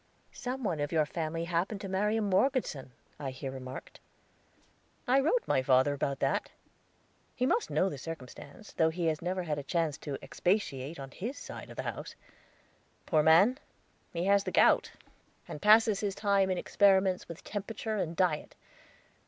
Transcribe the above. "Some one of your family happened to marry a Morgeson," I here remarked. "I wrote father about that; he must know the circumstance, though he never has a chance to expatiate on his side of the house. Poor man! he has the gout, and passes his time in experiments with temperature and diet.